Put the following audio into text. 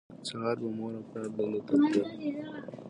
سهار به مور او پلار دندو ته تلل